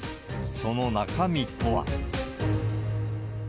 その中身とは。